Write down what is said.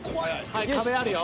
はい壁あるよ。